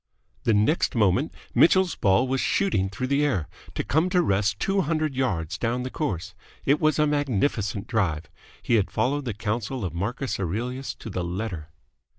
The next moment Mitchell's ball was shooting through the air, to come to rest two hundred yards down the course. It was a magnificent drive. He had followed the counsel of Marcus Aurelius to the letter.